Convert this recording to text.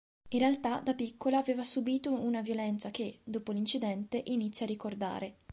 In realtà, da piccola aveva subito una violenza che, dopo l'incidente, inizia a ricordare.